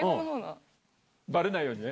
バレないようにね。